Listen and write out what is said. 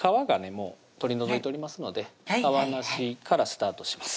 もう取り除いておりますので皮なしからスタートします